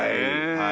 はい。